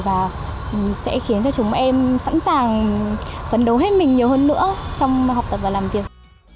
và sẽ khiến cho chúng em sẵn sàng phấn đấu hết mình nhiều hơn nữa trong học tập và làm việc